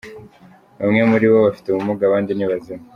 Bamwe muri bo bafite ubumuga, abandi ni bazima.